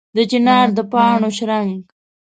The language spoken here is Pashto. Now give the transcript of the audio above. د چنار د پاڼو شرنګ